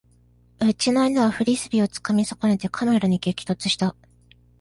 うちの犬はフリスビーをつかみ損ねてカメラに激突した